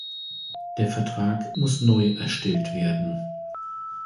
Der Vertrag muss neu erstellt werden.